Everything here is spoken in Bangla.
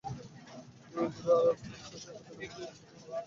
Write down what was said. জোরে আর আজকাল শশী হাটে না, মন্থর পদে হাঁটিতে হাঁটিতে গ্রামে প্রবেশ করে।